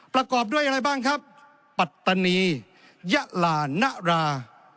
ประกอบด้วยอะไรบ้างครับปัตตานียะลานรา